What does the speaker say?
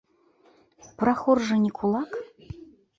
Прахор жа не кулак.